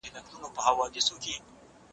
هغه د خپلو جګړه مارو سره په نظم کې ودرید.